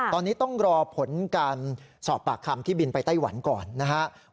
ตอนนี้ต้องรอผลการสอบปากคำที่บินไปไต้หวันก่อนนะครับ